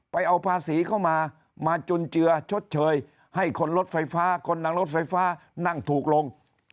เอาภาษีเข้ามามาจุนเจือชดเชยให้คนรถไฟฟ้าคนนั่งรถไฟฟ้านั่งถูกลง